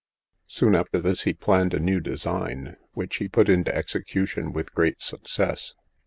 Soon after this he planned a new design, which he put into execution with great success.